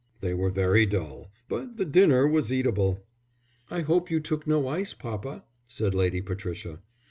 "They were very dull, but the dinner was eatable." "I hope you took no ice, papa," said Lady Patricia.